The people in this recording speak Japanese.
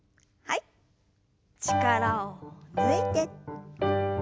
力を抜いて。